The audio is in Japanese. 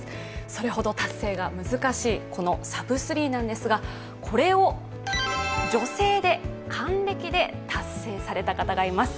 それほど達成が難しい、このサブ３なんですがこれを女性で還暦で達成された方がいます。